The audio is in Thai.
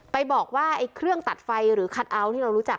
ไปบอกว่าไอ้เครื่องตัดไฟหรือคัทเอาท์ที่เรารู้จัก